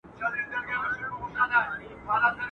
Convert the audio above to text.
اوړه ئې د مېچني، زامن ئې د چنچڼي.